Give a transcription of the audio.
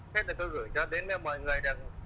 thế là tôi gửi cho đến mọi người